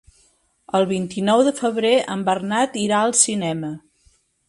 El vint-i-nou de febrer en Bernat irà al cinema.